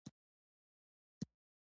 ډوډۍ مي راوغوښته .